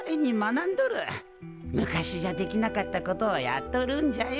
昔じゃできなかったことをやっとるんじゃよ。